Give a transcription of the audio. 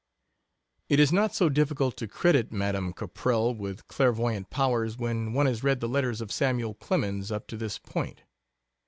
It is not so difficult to credit Madame Caprell with clairvoyant powers when one has read the letters of Samuel Clemens up to this point.